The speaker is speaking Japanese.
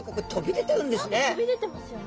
何か飛び出てますよね。